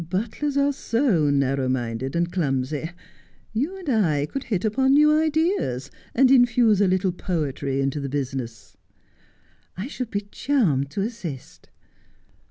Butlers are so narrow minded and clumsy. You and I could hit upon new ideas, and infuse a little poetry into the business.' ' I should be charmed to assist.'